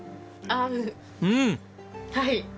はい。